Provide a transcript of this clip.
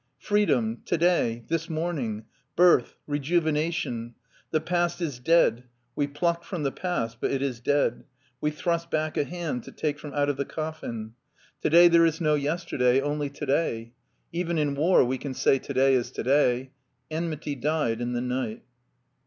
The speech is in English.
Freedom! To day! This morning! Birth! Rejuvenation! The past is dead. We pluck from the past, but it is dead. We thrust back a hand to take from out of the coffin. To day there is no yester HEIDELBERG 39 day, only to day. Even in war we can say to day is to day. Enmity died in the night.